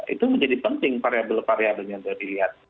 itu menjadi penting variabel variabelnya yang terlihat